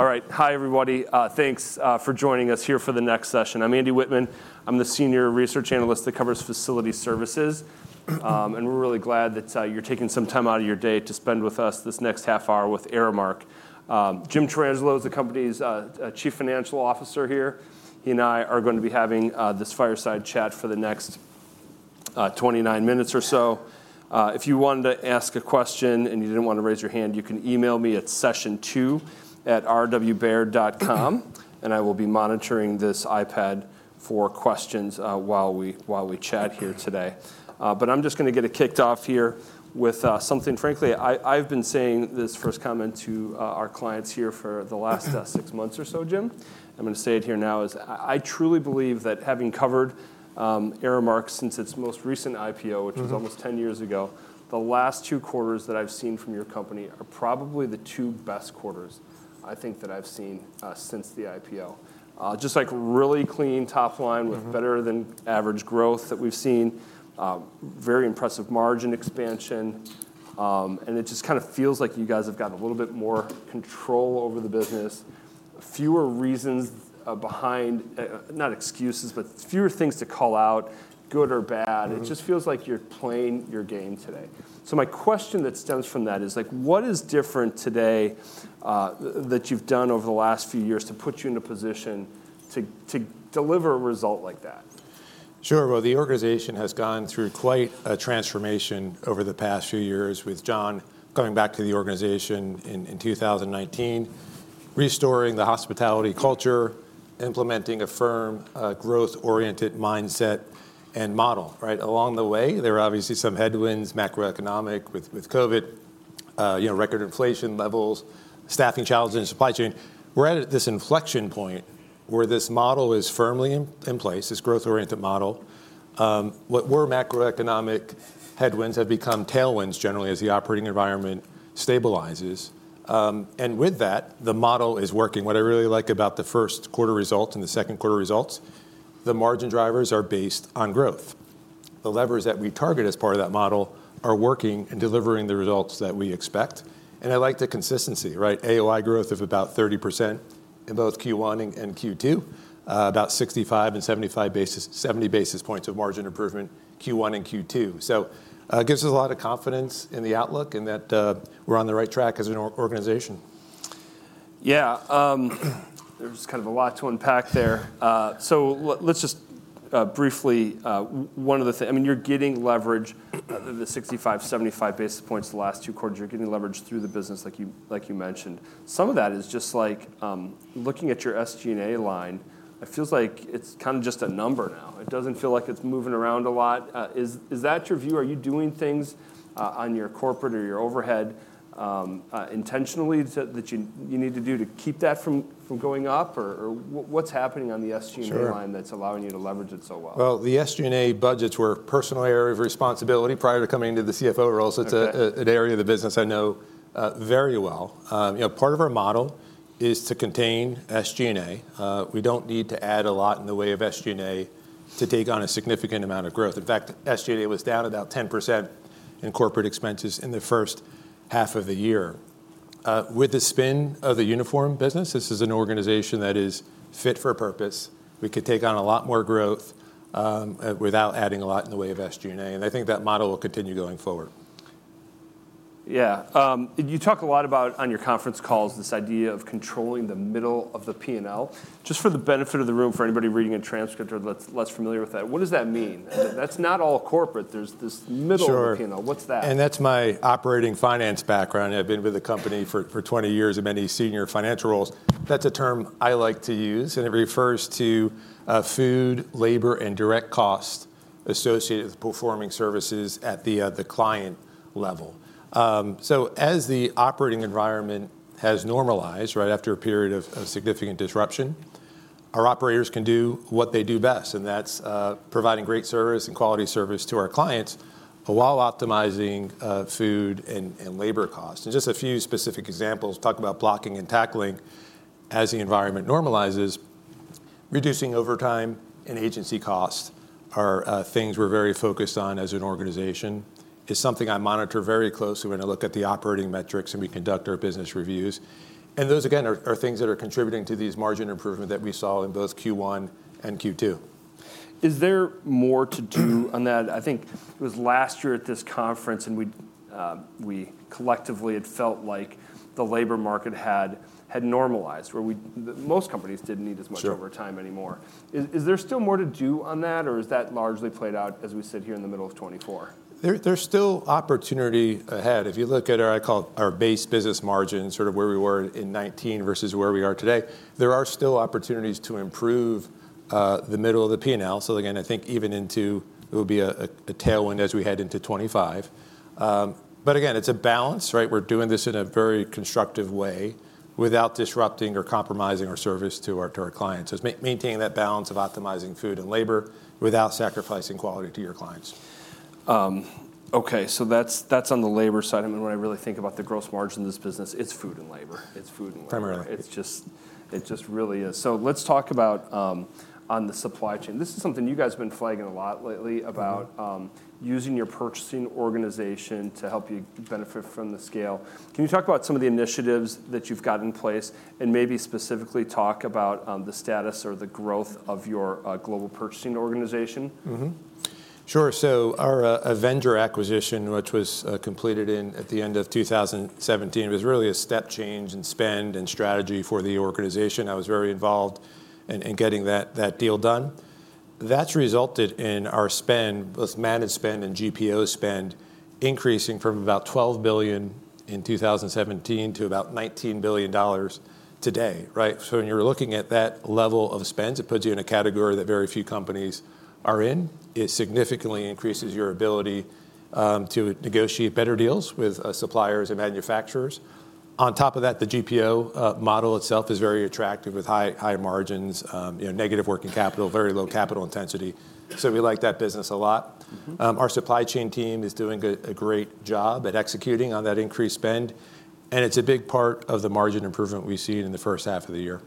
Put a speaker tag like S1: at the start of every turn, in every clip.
S1: All right. Hi, everybody. Thanks for joining us here for the next session. I'm Andy Wittmann. I'm the senior research analyst that covers facility services. And we're really glad that you're taking some time out of your day to spend with us this next half hour with Aramark. Jim Tarangelo is the company's Chief Financial Officer here. He and I are going to be having this fireside chat for the next 29 minutes or so. If you wanted to ask a question and you didn't want to raise your hand, you can email me at session2@rwbaird.com. And I will be monitoring this iPad for questions while we chat here today. But I'm just going to get it kicked off here with something, frankly, I've been saying this first comment to our clients here for the last six months or so, Jim. I'm going to say it here now. I truly believe that having covered Aramark since its most recent IPO, which was almost 10 years ago, the last two quarters that I've seen from your company are probably the two best quarters, I think, that I've seen since the IPO. Just like really clean top line with better-than-average growth that we've seen, very impressive margin expansion. It just kind of feels like you guys have got a little bit more control over the business, fewer reasons behind, not excuses, but fewer things to call out, good or bad. It just feels like you're playing your game today. My question that stems from that is, what is different today that you've done over the last few years to put you in a position to deliver a result like that?
S2: Sure. Well, the organization has gone through quite a transformation over the past few years with John coming back to the organization in 2019, restoring the hospitality culture, implementing a firm growth-oriented mindset and model. Along the way, there are obviously some headwinds, macroeconomic with COVID, record inflation levels, staffing challenges in supply chain. We're at this inflection point where this model is firmly in place, this growth-oriented model. What were macroeconomic headwinds have become tailwinds, generally, as the operating environment stabilizes. With that, the model is working. What I really like about the first quarter results and the second quarter results, the margin drivers are based on growth. The levers that we target as part of that model are working and delivering the results that we expect. I like the consistency, AOI growth of about 30% in both Q1 and Q2, about 65 and 70 basis points of margin improvement Q1 and Q2. It gives us a lot of confidence in the outlook and that we're on the right track as an organization.
S1: Yeah. There's kind of a lot to unpack there. So let's just briefly, one of the things, I mean, you're getting leverage, the 65-75 basis points the last two quarters, you're getting leverage through the business, like you mentioned. Some of that is just like looking at your SG&A line, it feels like it's kind of just a number now. It doesn't feel like it's moving around a lot. Is that your view? Are you doing things on your corporate or your overhead intentionally that you need to do to keep that from going up? Or what's happening on the SG&A line that's allowing you to leverage it so well?
S2: Well, the SG&A budgets were a personal area of responsibility prior to coming into the CFO role. So it's an area of the business I know very well. Part of our model is to contain SG&A. We don't need to add a lot in the way of SG&A to take on a significant amount of growth. In fact, SG&A was down about 10% in corporate expenses in the first half of the year. With the spin of the uniform business, this is an organization that is fit for purpose. We could take on a lot more growth without adding a lot in the way of SG&A. And I think that model will continue going forward.
S1: Yeah. You talk a lot about on your conference calls, this idea of controlling the middle of the P&L. Just for the benefit of the room, for anybody reading a transcript or less familiar with that, what does that mean? That's not all corporate. There's this middle of the P&L. What's that?
S2: That's my operating finance background. I've been with the company for 20 years in many senior financial roles. That's a term I like to use. It refers to food, labor, and direct cost associated with performing services at the client level. As the operating environment has normalized right after a period of significant disruption, our operators can do what they do best. That's providing great service and quality service to our clients while optimizing food and labor costs. Just a few specific examples, talk about blocking and tackling as the environment normalizes, reducing overtime and agency costs are things we're very focused on as an organization. It's something I monitor very closely when I look at the operating metrics and we conduct our business reviews. Those, again, are things that are contributing to these margin improvements that we saw in both Q1 and Q2.
S1: Is there more to do on that? I think it was last year at this conference, and we collectively had felt like the labor market had normalized, where most companies didn't need as much overtime anymore. Is there still more to do on that, or is that largely played out as we sit here in the middle of 2024?
S2: There's still opportunity ahead. If you look at our base business margin, sort of where we were in 2019 versus where we are today, there are still opportunities to improve the middle of the P&L. So again, I think even into it will be a tailwind as we head into 2025. But again, it's a balance. We're doing this in a very constructive way without disrupting or compromising our service to our clients. So it's maintaining that balance of optimizing food and labor without sacrificing quality to your clients.
S1: Okay. That's on the labor side. When I really think about the gross margin of this business, it's food and labor. It's food and labor.
S2: Primarily.
S1: It just really is. So let's talk about the supply chain. This is something you guys have been flagging a lot lately about using your purchasing organization to help you benefit from the scale. Can you talk about some of the initiatives that you've got in place and maybe specifically talk about the status or the growth of your global purchasing organization?
S2: Sure. So our Avendra acquisition, which was completed at the end of 2017, was really a step change in spend and strategy for the organization. I was very involved in getting that deal done. That's resulted in our spend, both managed spend and GPO spend, increasing from about $12 billion in 2017 to about $19 billion today. So when you're looking at that level of spend, it puts you in a category that very few companies are in. It significantly increases your ability to negotiate better deals with suppliers and manufacturers. On top of that, the GPO model itself is very attractive with high margins, negative working capital, very low capital intensity. So we like that business a lot. Our supply chain team is doing a great job at executing on that increased spend. It's a big part of the margin improvement we've seen in the first half of the year.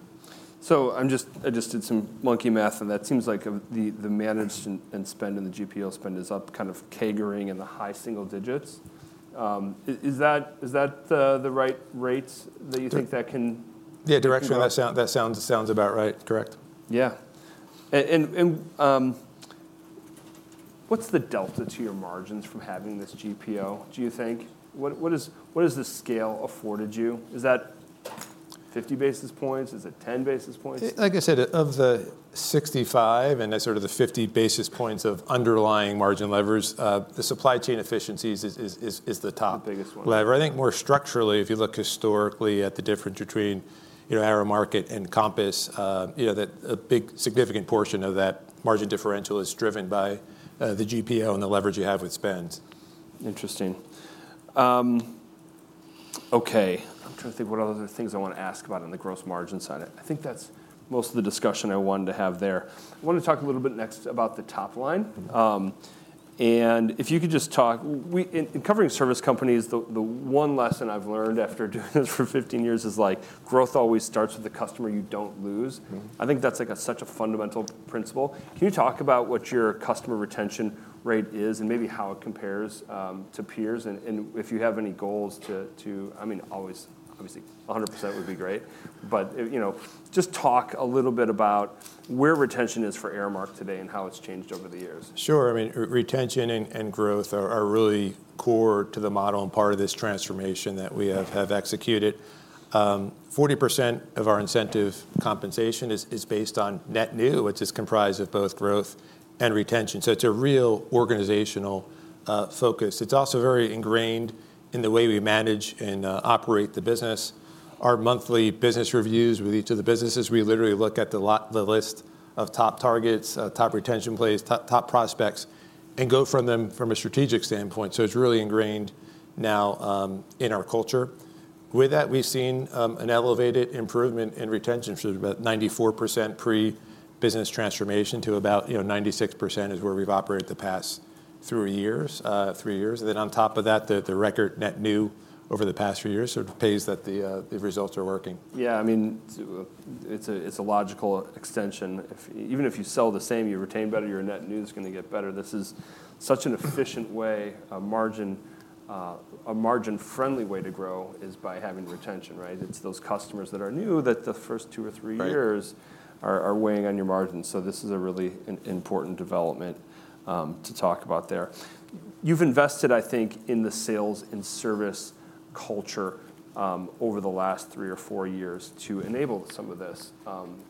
S1: So I just did some monkey math. And that seems like the managed and spend and the GPO spend is up, kind of CAGR-ing in the high single digits. Is that the right rate that you think that can?
S2: Yeah. Directionally, that sounds about right. Correct.
S1: Yeah. What's the delta to your margins from having this GPO, do you think? What has the scale afforded you? Is that 50 basis points? Is it 10 basis points?
S2: Like I said, of the 65 and sort of the 50 basis points of underlying margin levers, the supply chain efficiencies is the top lever. I think more structurally, if you look historically at the difference between Aramark and Compass, a big significant portion of that margin differential is driven by the GPO and the leverage you have with spend.
S1: Interesting. Okay. I'm trying to think what other things I want to ask about on the gross margin side. I think that's most of the discussion I wanted to have there. I want to talk a little bit next about the top line. If you could just talk, in covering service companies, the one lesson I've learned after doing this for 15 years is growth always starts with the customer you don't lose. I think that's such a fundamental principle. Can you talk about what your customer retention rate is and maybe how it compares to peers? If you have any goals to, I mean, always, obviously, 100% would be great. Just talk a little bit about where retention is for Aramark today and how it's changed over the years.
S2: Sure. I mean, retention and growth are really core to the model and part of this transformation that we have executed. Forty percent of our incentive compensation is based on net new, which is comprised of both growth and retention. So it's a real organizational focus. It's also very ingrained in the way we manage and operate the business. Our monthly business reviews with each of the businesses, we literally look at the list of top targets, top retention plays, top prospects, and go from them from a strategic standpoint. So it's really ingrained now in our culture. With that, we've seen an elevated improvement in retention for about 94% to 96% is where we've operated the past three years. And then on top of that, the record net new over the past few years sort of pays that the results are working.
S1: Yeah. I mean, it's a logical extension. Even if you sell the same, you retain better, your net new is going to get better. This is such an efficient way, a margin-friendly way to grow is by having retention. It's those customers that are new that the first two or three years are weighing on your margins. So this is a really important development to talk about there. You've invested, I think, in the sales and service culture over the last three or four years to enable some of this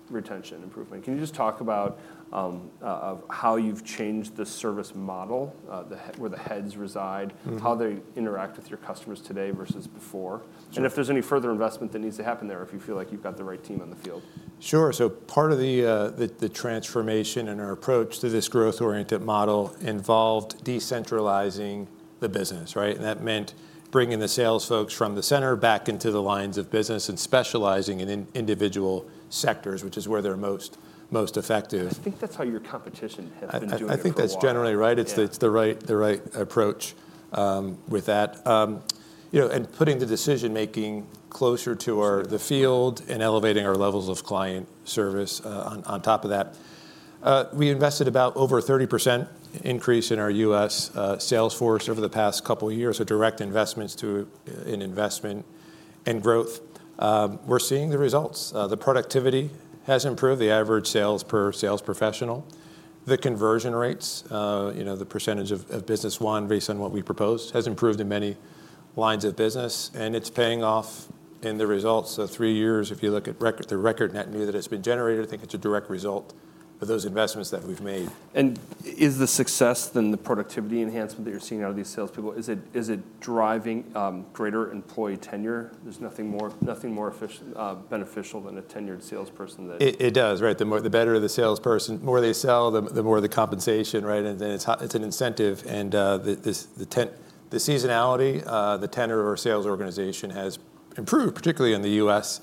S1: retention improvement. Can you just talk about how you've changed the service model, where the heads reside, how they interact with your customers today versus before? And if there's any further investment that needs to happen there, if you feel like you've got the right team on the field.
S2: Sure. So part of the transformation in our approach to this growth-oriented model involved decentralizing the business. And that meant bringing the sales folks from the center back into the lines of business and specializing in individual sectors, which is where they're most effective.
S1: I think that's how your competition has been doing it.
S2: I think that's generally right. It's the right approach with that. Putting the decision-making closer to the field and elevating our levels of client service on top of that. We invested about over a 30% increase in our U.S. sales force over the past couple of years, so direct investments in investment and growth. We're seeing the results. The productivity has improved. The average sales per sales professional, the conversion rates, the percentage of business won based on what we proposed, has improved in many lines of business. It's paying off in the results, three years, if you look at the record net new that has been generated, I think it's a direct result of those investments that we've made.
S1: Is the success, then the productivity enhancement that you're seeing out of these salespeople, is it driving greater employee tenure? There's nothing more beneficial than a tenured salesperson.
S2: It does. The better the salesperson, the more they sell, the more the compensation. And it's an incentive. And the seasonality, the tenure of our sales organization has improved, particularly on the U.S.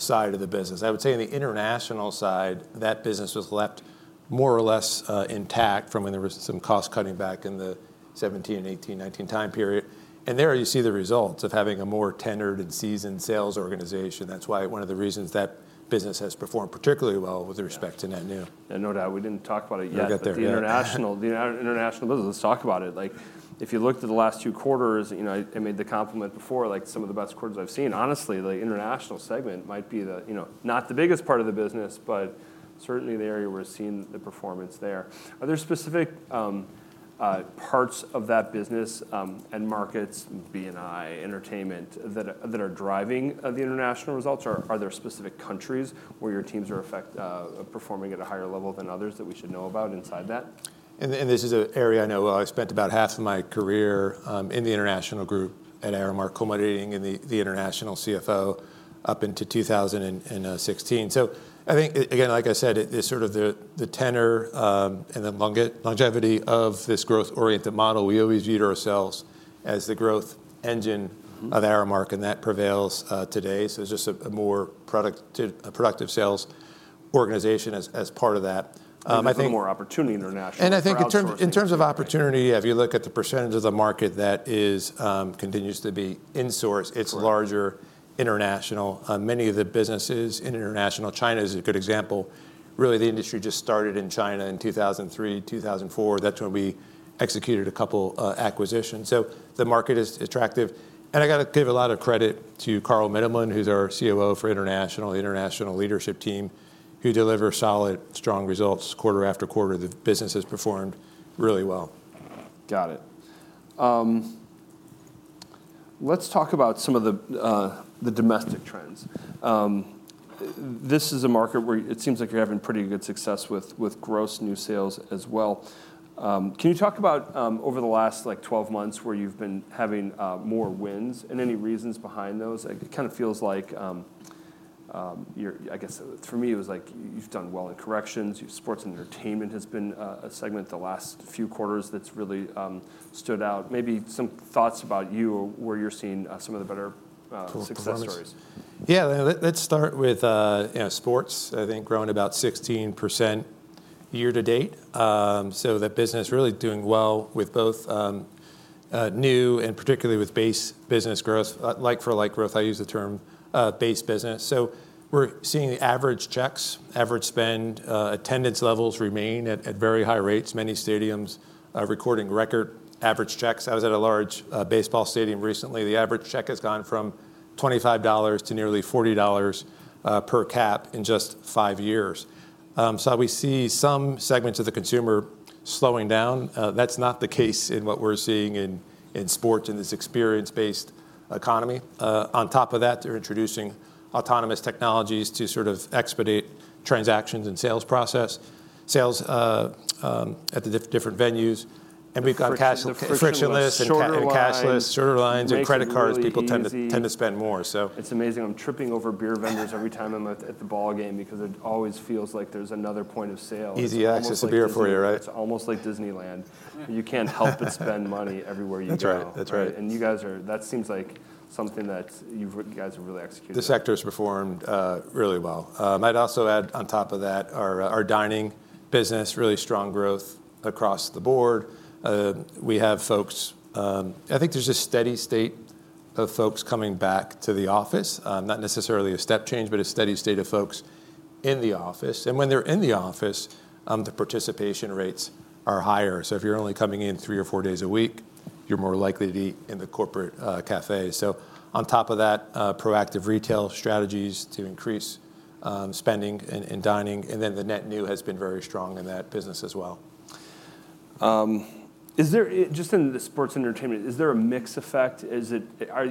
S2: side of the business. I would say on the International side, that business was left more or less intact from when there was some cost cutting back in the 2017, 2018, 2019 time period. And there you see the results of having a more tenured and seasoned sales organization. That's why one of the reasons that business has performed particularly well with respect to net new.
S1: No doubt, we didn't talk about it yet.
S2: You'll get there.
S1: The International business, let's talk about it. If you looked at the last two quarters, I made the comment before, some of the best quarters I've seen. Honestly, the International segment might be not the biggest part of the business, but certainly the area we're seeing the performance there. Are there specific parts of that business and markets, B&I, entertainment, that are driving the International results? Are there specific countries where your teams are performing at a higher level than others that we should know about inside that?
S2: This is an area I know I spent about half of my career in the International group at Aramark, co-moderating the International CFO up into 2016. I think, again, like I said, it's sort of the tenor and the longevity of this growth-oriented model. We always viewed ourselves as the growth engine of Aramark, and that prevails today. It's just a more productive sales organization as part of that.
S1: A little more opportunity Internationally.
S2: I think in terms of opportunity, yeah, if you look at the percentage of the market that continues to be insourced, it's larger International. Many of the businesses in International, China is a good example. Really, the industry just started in China in 2003, 2004. That's when we executed a couple of acquisitions. The market is attractive. I got to give a lot of credit to Carl Mittleman, who's our COO for International, the International leadership team, who deliver solid, strong results quarter-after-quarter. The business has performed really well.
S1: Got it. Let's talk about some of the domestic trends. This is a market where it seems like you're having pretty good success with gross new sales as well. Can you talk about over the last 12 months where you've been having more wins and any reasons behind those? It kind of feels like, I guess for me, it was like you've done well in corrections. Sports and entertainment has been a segment the last few quarters that's really stood out. Maybe some thoughts about you or where you're seeing some of the better success stories.
S2: Yeah. Let's start with sports. I think growing about 16% year-to-date. So that business is really doing well with both new and particularly with base business growth. Like-for-like growth, I use the term base business. So we're seeing the average checks, average spend, attendance levels remain at very high rates. Many stadiums are recording record average checks. I was at a large baseball stadium recently. The average check has gone from $25 to nearly $40 per cap in just 5 years. So we see some segments of the consumer slowing down. That's not the case in what we're seeing in sports in this experience-based economy. On top of that, they're introducing autonomous technologies to sort of expedite transactions and sales process, sales at the different venues. And we've got frictionless, cashless, shorter lines, and credit cards. People tend to spend more.
S1: It's amazing. I'm tripping over beer vendors every time I'm at the ball game because it always feels like there's another point of sale.
S2: Easy access to beer for you, right?
S1: It's almost like Disneyland. You can't help but spend money everywhere you go.
S2: That's right.
S1: You guys are, that seems like something that you guys have really executed.
S2: The sector has performed really well. I'd also add on top of that, our dining business, really strong growth across the board. We have folks, I think there's a steady state of folks coming back to the office, not necessarily a step change, but a steady state of folks in the office. And when they're in the office, the participation rates are higher. So if you're only coming in three or four days a week, you're more likely to be in the corporate cafe. So on top of that, proactive retail strategies to increase spending in dining. And then the net new has been very strong in that business as well.
S1: Just in the sports entertainment, is there a mixed effect? Are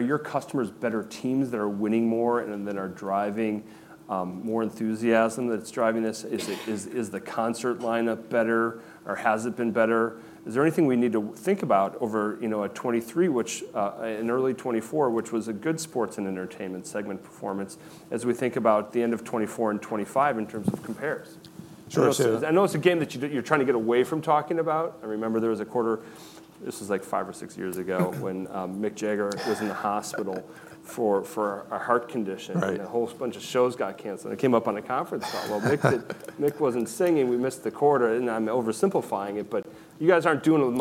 S1: your customers better teams that are winning more and then are driving more enthusiasm that's driving this? Is the concert lineup better, or has it been better? Is there anything we need to think about over a 2023, which an early 2024, which was a good sports and entertainment segment performance as we think about the end of 2024 and 2025 in terms of comparison? I know it's a game that you're trying to get away from talking about. I remember there was a quarter, this was like five or six years ago when Mick Jagger was in the hospital for a heart condition. A whole bunch of shows got canceled. I came up on a conference call. Well, Mick wasn't singing. We missed the quarter. And I'm oversimplifying it, but you guys aren't doing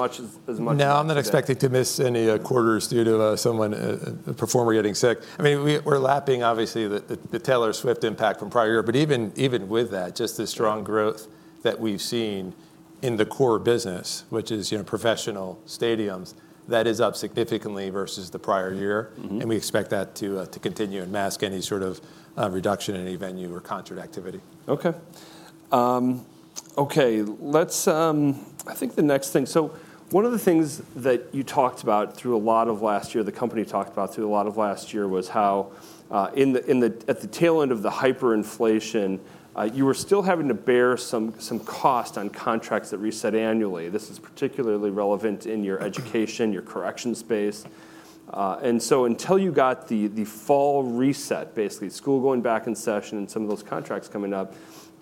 S1: as much.
S2: No, I'm not expecting to miss any quarters due to someone a performer getting sick. I mean, we're lapping, obviously, the Taylor Swift impact from prior year. But even with that, just the strong growth that we've seen in the core business, which is professional stadiums, that is up significantly versus the prior year. And we expect that to continue and mask any sort of reduction in any venue or concert activity.
S1: Okay. Okay, I think the next thing, so one of the things that you talked about through a lot of last year, the company talked about through a lot of last year was how at the tail end of the hyperinflation, you were still having to bear some cost on contracts that reset annually. This is particularly relevant in your education, your corrections space. And so until you got the fall reset, basically school going back in session and some of those contracts coming up,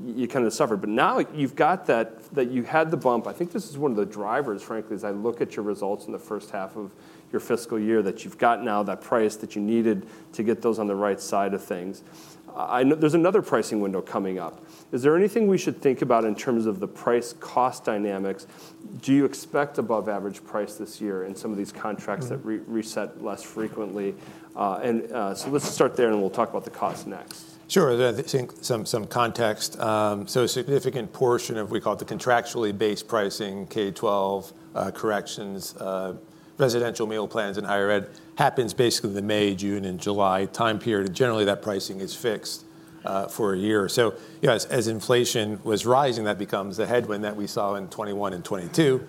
S1: you kind of suffered. But now you've got that, that you had the bump. I think this is one of the drivers, frankly, as I look at your results in the first half of your fiscal year that you've got now that price that you needed to get those on the right side of things. There's another pricing window coming up. Is there anything we should think about in terms of the price-cost dynamics? Do you expect above average price this year in some of these contracts that reset less frequently? And so let's start there, and we'll talk about the cost next.
S2: Sure. I think some context. So a significant portion of what we call the contractually based pricing, K-12, corrections, residential meal plans in Higher Ed, happens basically the May, June, and July time period. And generally, that pricing is fixed for a year. So as inflation was rising, that becomes the headwind that we saw in 2021 and 2022.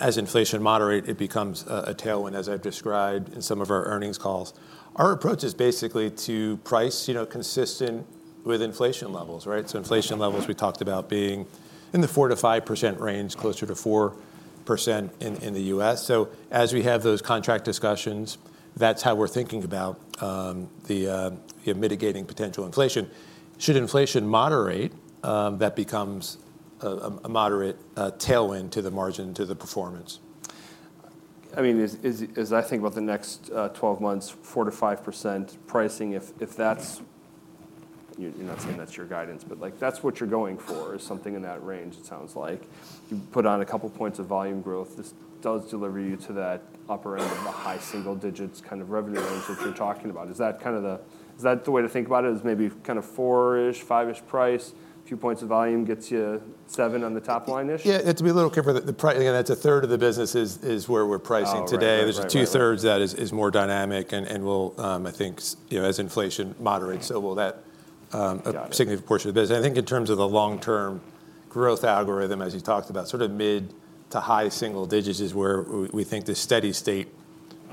S2: As inflation moderates, it becomes a tailwind, as I've described in some of our earnings calls. Our approach is basically to price consistent with inflation levels. So inflation levels, we talked about being in the 4% to 5% range, closer to 4% in the U.S. So as we have those contract discussions, that's how we're thinking about mitigating potential inflation. Should inflation moderate, that becomes a moderate tailwind to the margin, to the performance.
S1: I mean, as I think about the next 12 months, 4% to 5% pricing, if that's, you're not saying that's your guidance, but that's what you're going for is something in that range, it sounds like. You put on a couple of points of volume growth. This does deliver you to that upper end of the high single digits kind of revenue range that you're talking about. Is that kind of the is that the way to think about it? Is maybe kind of 4%-ish, 5%-ish price, a few points of volume gets you 7% on the top line-ish?
S2: Yeah. I'd be a little careful. Again, that's 1/3 of the business is where we're pricing today. There's 2/3 that is more dynamic. And we'll, I think, as inflation moderates, so will that significant portion of the business. I think in terms of the long-term growth algorithm, as you talked about, sort of mid- to high-single digits is where we think the steady state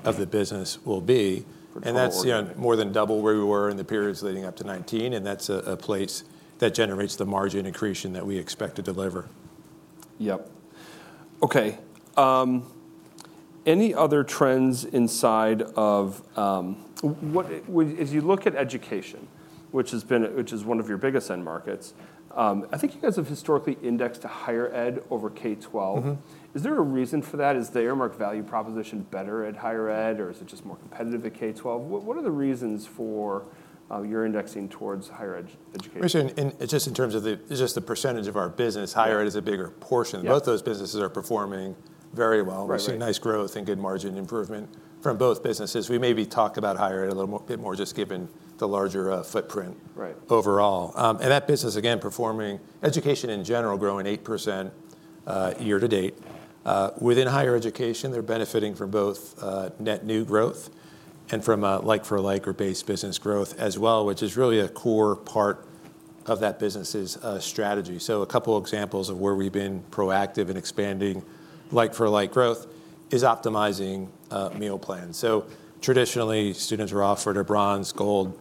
S2: of the business will be. And that's more than double where we were in the periods leading up to 2019. And that's a place that generates the margin increase that we expect to deliver.
S1: Yep. Okay. Any other trends inside of as you look at education, which has been one of your biggest end markets, I think you guys have historically indexed to Higher Ed over K-12. Is there a reason for that? Is the Aramark value proposition better at Higher Ed, or is it just more competitive at K-12? What are the reasons for your indexing towards Higher Ed education?
S2: Just in terms of just the percentage of our business, Higher Ed is a bigger portion. Both those businesses are performing very well. We're seeing nice growth and good margin improvement from both businesses. We maybe talk about Higher Ed a little bit more just given the larger footprint overall. And that business, again, performing education in general, growing 8% year-to-date. Within Higher Education, they're benefiting from both net new growth and from like-for-like or base business growth as well, which is really a core part of that business's strategy. So a couple of examples of where we've been proactive in expanding like-for-like growth is optimizing meal plans. So traditionally, students were offered a Bronze, Gold,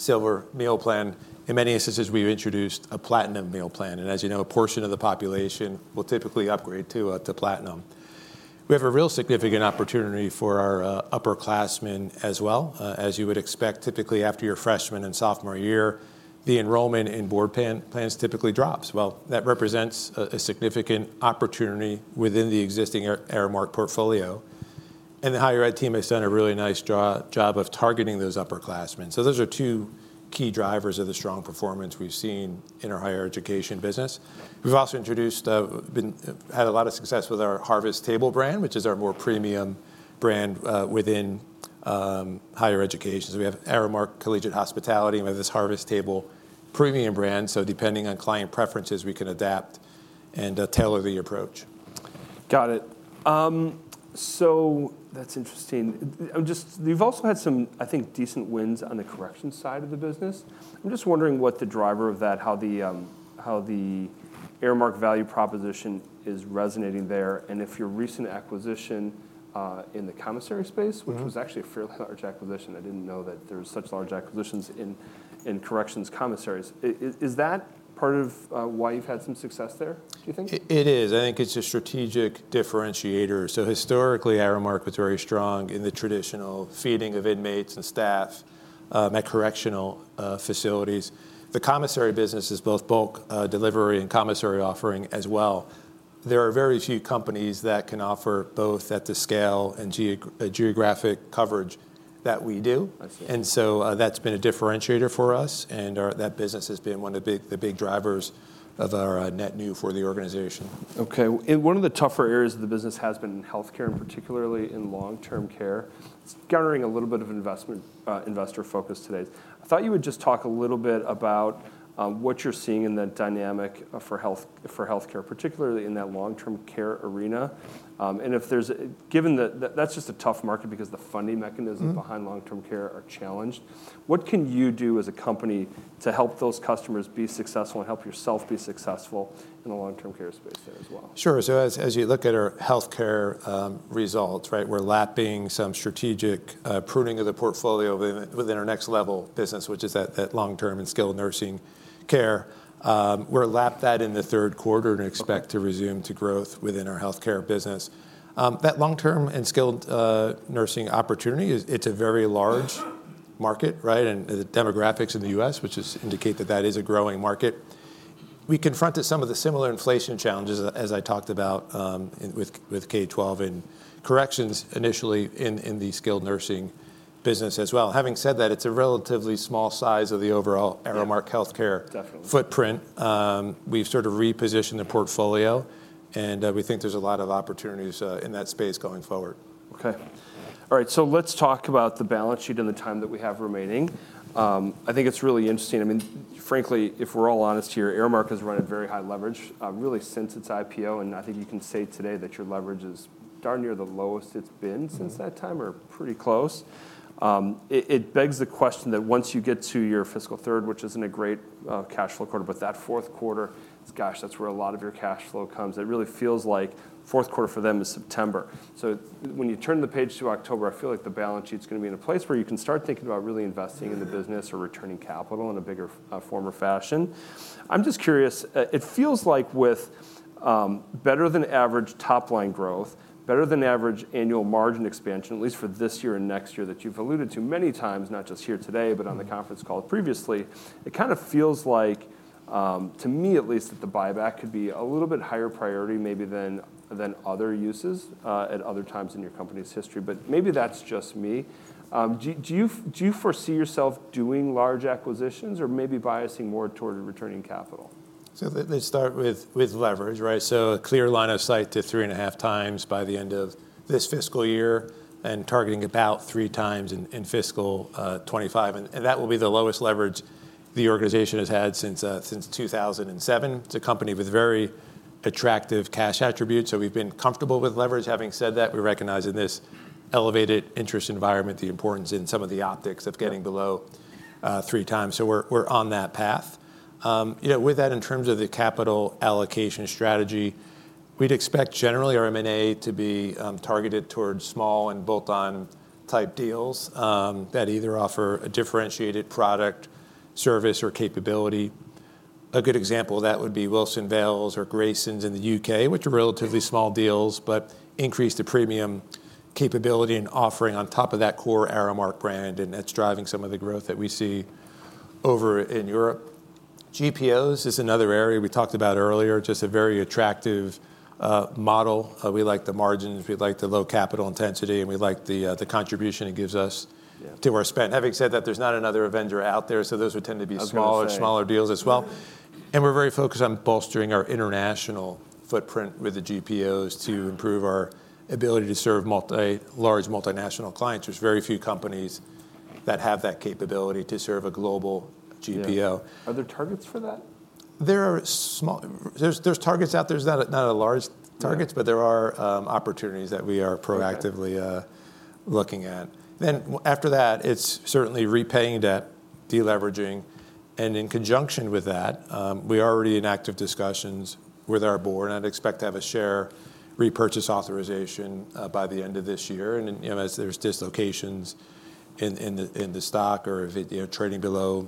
S2: Silver meal plan. In many instances, we've introduced a Platinum meal plan. And as you know, a portion of the population will typically upgrade to platinum. We have a real significant opportunity for our upperclassmen as well. As you would expect, typically after your freshman and sophomore year, the enrollment in board plans typically drops. Well, that represents a significant opportunity within the existing Aramark portfolio. And the Higher Ed team has done a really nice job of targeting those upperclassmen. So those are two key drivers of the strong performance we've seen in our Higher Education business. We've also had a lot of success with our Harvest Table brand, which is our more premium brand within Higher Education. So we have Aramark Collegiate Hospitality. We have this Harvest Table premium brand. So depending on client preferences, we can adapt and tailor the approach.
S1: Got it. So that's interesting. You've also had some, I think, decent wins on the corrections side of the business. I'm just wondering what the driver of that, how the Aramark value proposition is resonating there. And if your recent acquisition in the commissary space, which was actually a fairly large acquisition, I didn't know that there were such large acquisitions in corrections commissaries. Is that part of why you've had some success there, do you think?
S2: It is. I think it's a strategic differentiator. So historically, Aramark was very strong in the traditional feeding of inmates and staff at correctional facilities. The commissary business is both bulk delivery and commissary offering as well. There are very few companies that can offer both at the scale and geographic coverage that we do. And so that's been a differentiator for us. And that business has been one of the big drivers of our net new for the organization.
S1: Okay. One of the tougher areas of the business has been in healthcare, and particularly in long-term care. It's garnering a little bit of investor focus today. I thought you would just talk a little bit about what you're seeing in that dynamic for healthcare, particularly in that long-term care arena. Given that that's just a tough market because the funding mechanisms behind long-term care are challenged, what can you do as a company to help those customers be successful and help yourself be successful in the long-term care space there as well?
S2: Sure. So as you look at our healthcare results, we're lapping some strategic pruning of the portfolio within our Next Level business, which is that long-term and skilled nursing care. We've lapped that in the third quarter and expect to return to growth within our healthcare business. That long-term and skilled nursing opportunity, it's a very large market. The demographics in the U.S., which indicate that that is a growing market. We confronted some of the similar inflation challenges, as I talked about with K-12 and corrections initially in the skilled nursing business as well. Having said that, it's a relatively small size of the overall Aramark healthcare footprint. We've sort of repositioned the portfolio. We think there's a lot of opportunities in that space going forward.
S1: Okay. All right. So let's talk about the balance sheet and the time that we have remaining. I think it's really interesting. I mean, frankly, if we're all honest here, Aramark has run at very high leverage really since its IPO. And I think you can say today that your leverage is darn near the lowest it's been since that time or pretty close. It begs the question that once you get to your fiscal third, which isn't a great cash flow quarter, but that fourth quarter, gosh, that's where a lot of your cash flow comes. It really feels like fourth quarter for them is September. So when you turn the page to October, I feel like the balance sheet's going to be in a place where you can start thinking about really investing in the business or returning capital in a bigger form or fashion. I'm just curious. It feels like with better-than-average top line growth, better-than-average annual margin expansion, at least for this year and next year that you've alluded to many times, not just here today, but on the conference call previously, it kind of feels like, to me at least, that the buyback could be a little bit higher priority maybe than other uses at other times in your company's history. But maybe that's just me. Do you foresee yourself doing large acquisitions or maybe biasing more toward returning capital?
S2: They start with leverage. A clear line of sight to 3.5x by the end of this fiscal year and targeting about 3x in fiscal 2025. That will be the lowest leverage the organization has had since 2007. It's a company with very attractive cash attributes. We've been comfortable with leverage. Having said that, we recognize in this elevated interest environment the importance in some of the optics of getting below 3x. We're on that path. With that, in terms of the capital allocation strategy, we'd expect generally our M&A to be targeted towards small and bolt-on type deals that either offer a differentiated product, service, or capability. A good example of that would be Wilson Vale or Graysons in the U.K., which are relatively small deals, but increase the premium capability and offering on top of that core Aramark brand. That's driving some of the growth that we see over in Europe. GPOs is another area we talked about earlier, just a very attractive model. We like the margins. We like the low capital intensity. And we like the contribution it gives us to our spend. Having said that, there's not another Avendra out there. So those would tend to be smaller, smaller deals as well. And we're very focused on bolstering our International footprint with the GPOs to improve our ability to serve large multinational clients. There's very few companies that have that capability to serve a global GPO.
S1: Are there targets for that?
S2: There are targets out there. Not large targets, but there are opportunities that we are proactively looking at. Then after that, it's certainly repaying debt, deleveraging. And in conjunction with that, we are already in active discussions with our board. And I'd expect to have a share repurchase authorization by the end of this year. And as there's dislocations in the stock or trading below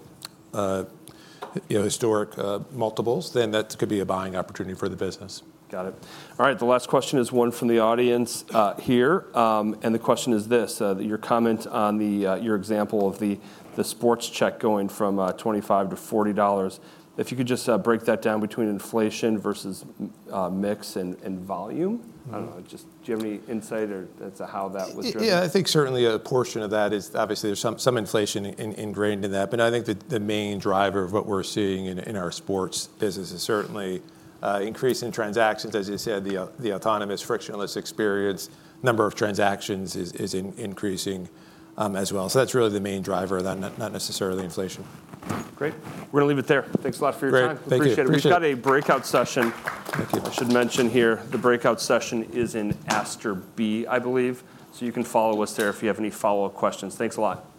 S2: historic multiples, then that could be a buying opportunity for the business.
S1: Got it. All right. The last question is one from the audience here. The question is this: your comment on your example of the sports check going from $25 to $40. If you could just break that down between inflation versus mix and volume. I don't know. Do you have any insight as to how that was driven?
S2: Yeah. I think certainly a portion of that is obviously there's some inflation ingrained in that. But I think the main driver of what we're seeing in our sports business is certainly increase in transactions. As you said, the autonomous frictionless experience, number of transactions is increasing as well. So that's really the main driver of that, not necessarily inflation.
S1: Great. We're going to leave it there. Thanks a lot for your time.
S2: Thank you.
S1: We've got a breakout session.
S2: Thank you.
S1: I should mention here, the breakout session is in Astor B, I believe. So you can follow us there if you have any follow-up questions. Thanks a lot.